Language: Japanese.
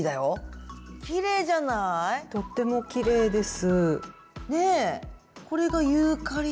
とってもきれいです。